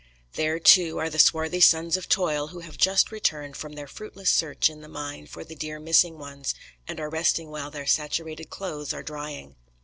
There, too, are the swarthy sons of toil who have just returned from their fruitless search in the mine for the dear missing ones, and are resting while their saturated clothes are drying.